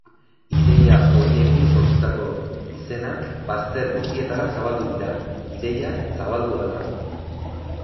Ideia horiekin sortutako izenak bazter guztietara zabaldu dira, ideiak zabaldu ahala.